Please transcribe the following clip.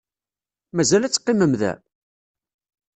Mazal ad teqqimem da?